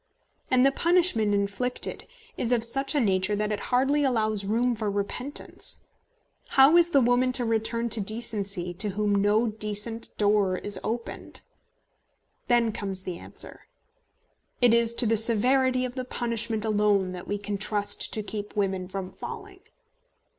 And the punishment inflicted is of such a nature that it hardly allows room for repentance. How is the woman to return to decency to whom no decent door is opened? Then comes the answer: It is to the severity of the punishment alone that we can trust to keep women from falling.